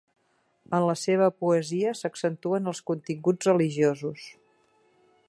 En la seva poesia s'accentuen els continguts religiosos.